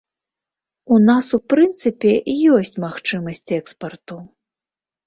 У нас, у прынцыпе, ёсць магчымасць экспарту.